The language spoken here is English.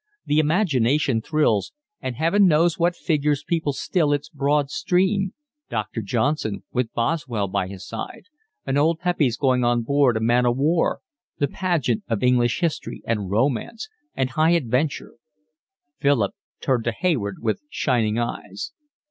The imagination thrills, and Heaven knows what figures people still its broad stream, Doctor Johnson with Boswell by his side, an old Pepys going on board a man o' war: the pageant of English history, and romance, and high adventure. Philip turned to Hayward with shining eyes.